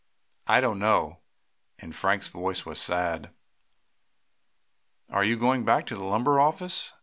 "I don't know," and Frank's voice was sad. "Are you going back to the lumber office?"